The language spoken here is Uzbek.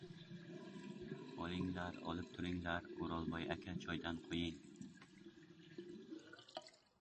— Olinglar, olib turinglar. O‘rolboy aka, choydan quying.